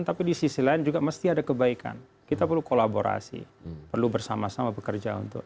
tapi di sisi lain juga mesti ada kebaikan kita perlu kolaborasi perlu bersama sama bekerja untuk